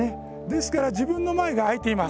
ですから自分の前が空いています。